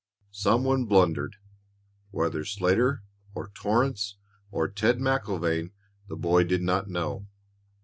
Some one blundered, whether Slater, or Torrance, or Ted MacIlvaine, the boy did not know.